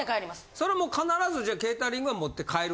それも必ずじゃあケータリングは持って帰る？